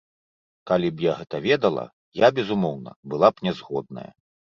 Калі б я гэта ведала, я, безумоўна, была б нязгодная.